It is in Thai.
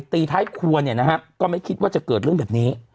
ตีท้ายครัวเนี่ยนะฮะก็ไม่คิดว่าจะเกิดเรื่องแบบนี้